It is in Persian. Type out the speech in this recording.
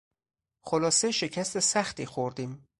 خلاصه شکست سختی خوردیم.